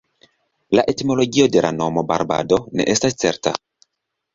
La etimologio de la nomo "Barbado" ne estas certa.